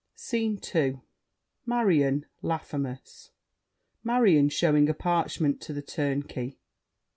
SCENE II Marion, Laffemas MARION (showing a parchment to The Turnkey).